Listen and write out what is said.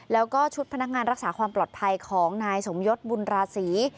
แล้วก็ชุดพนักงานรักษาความปลอดภัยของนายสมยศบุญราศี